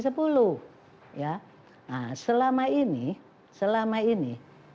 nah selama ini